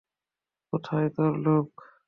কোথায় তোর লোক?